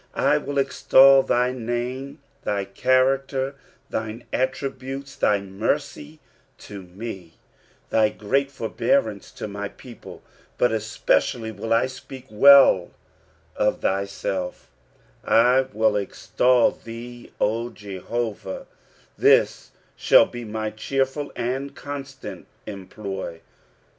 I will extol thy name, Ihy character, thine tUributes, thy mercy to me, thy great forbearance to my people ; but, wpecially will I speak well of thjaelf ;" I will extol thee," O Jehovah ; this shall be my cheerful and constant employ.